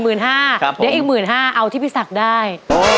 เดี๋ยวยังอีกหมื่นห้าเอาที่พี่ศักดิ์ได้